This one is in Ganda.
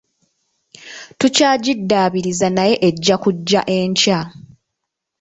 Tukyagidabiiriza naye ejja kujja enkya.